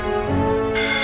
gimana kita akan menikmati rena